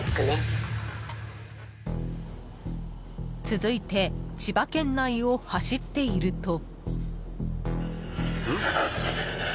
続いて千葉県内を走っていると。